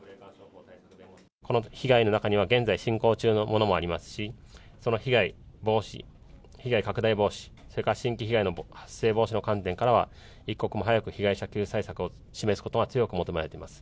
この被害の中には、現在進行中のものもありますし、その被害防止、被害拡大防止、それから新規被害の発生防止の観点からは、一刻も早く被害者救済策を示すことが強く求められています。